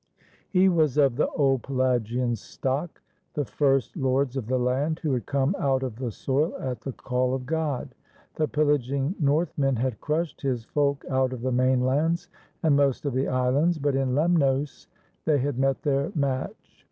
He was of the old Pelasgian stock, — the first lords of the land, who had come out of the soil at the call of God. The pillaging northmen had crushed his folk out of the mainlands and most of the islands, but in Lemnos they had met their match.